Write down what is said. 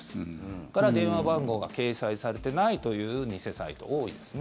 それから電話番号が掲載されてないという偽サイト、多いですね。